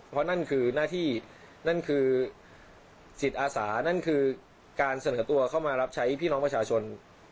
เพราะนั่นคือหน้าที่นั่นคือจิตอาสานั่นคือการเสนอตัวเข้ามารับใช้พี่น้องประชาชน